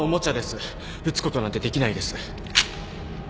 撃つことなんてできないです。